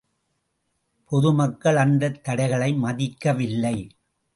பொது மக்கள் அந்தத் தடைகளை மதிக்கவில்லை.